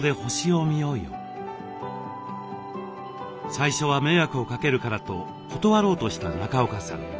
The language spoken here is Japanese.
最初は迷惑をかけるからと断ろうとした中岡さん。